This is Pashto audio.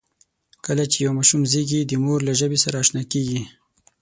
کله چې یو ماشوم زېږي، د مور له ژبې سره آشنا کېږي.